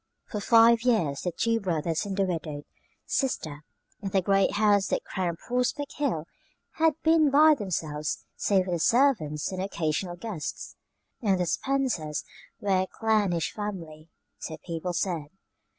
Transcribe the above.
For five years the two brothers and the widowed sister in the great house that crowned Prospect Hill, had been by themselves save for the servants and the occasional guests and the Spencers were a clannish family, so people said.